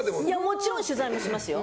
もちろん取材もしますよ。